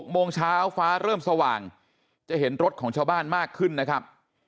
โมงเช้าฟ้าเริ่มสว่างจะเห็นรถของชาวบ้านมากขึ้นนะครับ